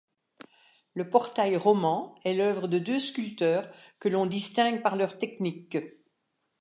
Le portail roman est l'œuvre de deux sculpteurs que l'on distingue par leur technique.